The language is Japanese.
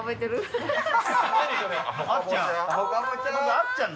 あっちゃん？